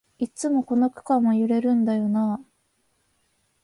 いっつもこの区間は揺れるんだよなあ